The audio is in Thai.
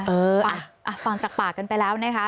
เอออ่ะตอนจากปากกันไปแล้วนะคะ